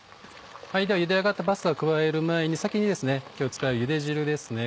ではゆで上がったパスタを加える前に先に今日使うゆで汁ですね